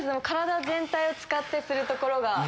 体全体を使ってするところが。